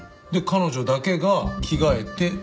で彼女だけが着替えて。